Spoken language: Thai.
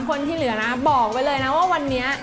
คนที่เหลือนะบอกไว้เลยนะว่าวันนี้